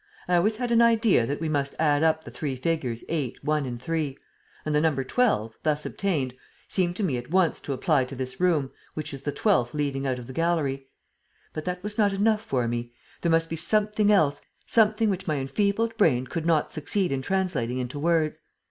I always had an idea that we must add up the three figures 8, 1 and 3; and the number 12, thus obtained, seemed to me at once to apply to this room, which is the twelfth leading out of the gallery. But that was not enough for me. There must be something else, something which my enfeebled brain could not succeed in translating into words.